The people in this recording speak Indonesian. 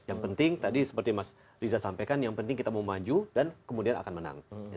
yang penting tadi seperti mas riza sampaikan yang penting kita mau maju dan kemudian akan menang